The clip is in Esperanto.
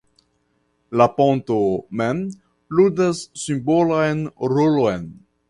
La ponto mem ludas simbolan rolon.